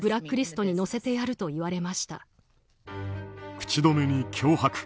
口止めに、脅迫。